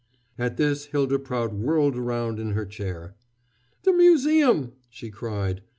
At this Hylda Prout whirled round in her chair. "The museum!" she cried.